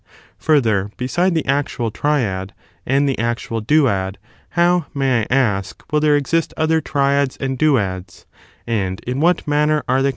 Further, beside the actual triad, and the actual duad, how, may I ask, will there exist other triads and duads, and in what manner are they com CH.